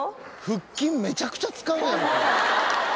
「腹筋めちゃくちゃ使うやん！